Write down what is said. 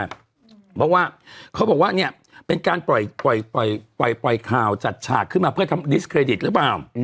เพราะว่าเขาบอกว่าเนี่ยเป็นการปล่อยข่าวจัดฉากขึ้นมาเพื่อทำดิสเครดิตหรือเปล่า